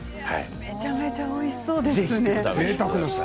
めちゃめちゃおいしそうですね。